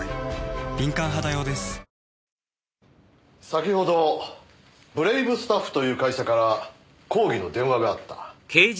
先ほどブレイブスタッフという会社から抗議の電話があった。